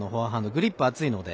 グリップ厚いので。